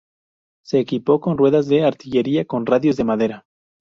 Se equipó con ruedas de artillería con radios de madera.